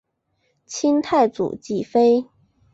清太祖继妃。